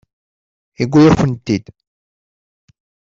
Yuwi-akent-tent-id.